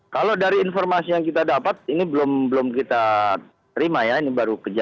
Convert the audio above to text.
kalau dari informasi yang kita dapat ini belum kita terima ya ini baru kejadian